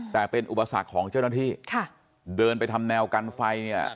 แต่เป็นอุปสรรคของเจ้าหน้าที่ค่ะเดินไปทำแนวกันไฟเนี่ย